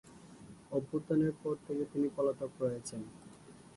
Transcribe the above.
অভ্যুত্থানের পর থেকে তিনি পলাতক রয়েছেন।